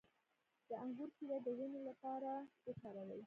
د انګور شیره د وینې لپاره وکاروئ